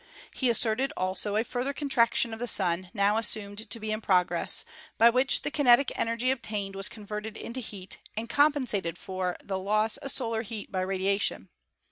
He asserted also a further contraction of the Sun, now assumed to be in progress, by which the kinetic energy obtained was converted into heat, and compensated for the loss of solar heat by radiation.